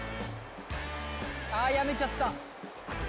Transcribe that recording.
やめちゃった。